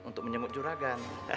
untuk menyemut juragan